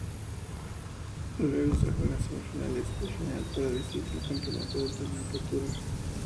Luego se juegan semifinales y final para decidir el campeón del torneo Apertura.